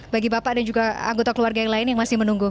bagi bapak dan juga anggota keluarga yang lain yang masih menunggu